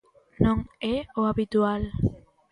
Non é o habitual.